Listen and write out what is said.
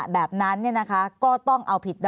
ภารกิจสรรค์ภารกิจสรรค์